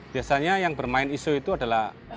biasanya yang bermain isu itu adalah